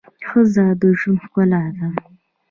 ښځه د ژوند ښکلا ده